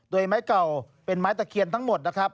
โดยไม้เก่าเป็นไม้ตะเคียนทั้งหมดนะครับ